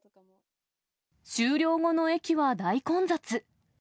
終了後の駅は大混雑。